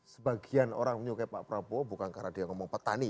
sebagian orang menyukai pak prabowo bukan karena dia ngomong petani